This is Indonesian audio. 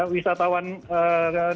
wisatawan domestik lebih suka tur